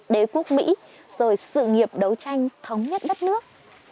đế quốc mỹ rồi sự nghiệp đấu tranh thống nhất đất nước